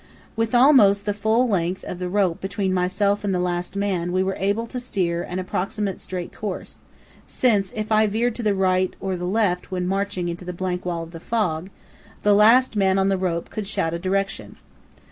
With almost the full length of the rope between myself and the last man we were able to steer an approximately straight course, since, if I veered to the right or the left when marching into the blank wall of the fog, the last man on the rope could shout a direction.